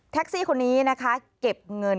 ซี่คนนี้นะคะเก็บเงิน